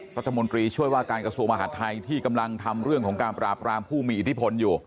รัฐมนตรีช่วยว่าการกระทรวงมหาดไทยที่กำลังทำเรื่องของการปราบรามผู้มีอิทธิพลอยู่